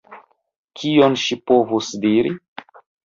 Kion ŝi povus diri?